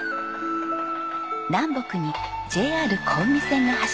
南北にＪＲ小海線が走ります。